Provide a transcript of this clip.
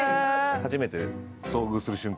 初めて遭遇する瞬間